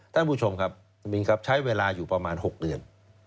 ท่านผู้ชมครับคุณมินครับใช้เวลาอยู่ประมาณ๖เดือน